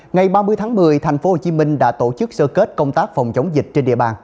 ngày ba mươi tháng một mươi tp hcm đã tổ chức sơ kết công tác phòng chống dịch trên địa bàn